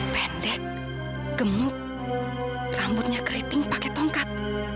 pendek gemuk rambutnya keriting pakai tongkat